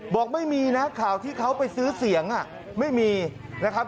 บอกไม่มีนะข่าวที่เขาไปซื้อเสียงไม่มีนะครับ